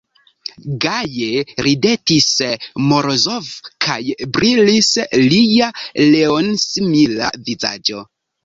Gaje ridetis Morozov, kaj brilis lia leonsimila vizaĝo.